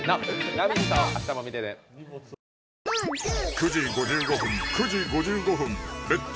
９時５５分９時５５分「レッツ！